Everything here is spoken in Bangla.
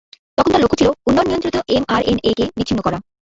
তখন তার লক্ষ্য ছিল "উন্নয়ন-নিয়ন্ত্রিত এম-আরএনএ- কে বিচ্ছিন্ন করা"।